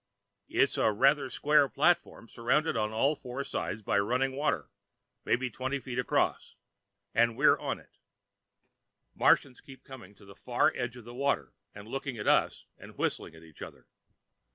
There's a rather square platform surrounded on all four sides by running water, maybe twenty feet across, and we're on it. Martians keep coming to the far edge of the water and looking at us and whistling at each other.